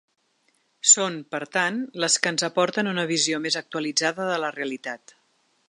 Són, per tant, les que ens aporten una visió més actualitzada de la realitat.